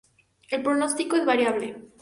El pronóstico es variable.